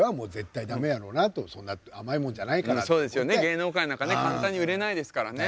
芸能界なんかね簡単に売れないですからね。